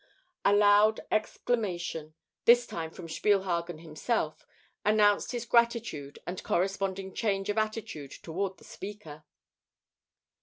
A loud exclamation, this time from Spielhagen himself, announced his gratitude and corresponding change of attitude toward the speaker.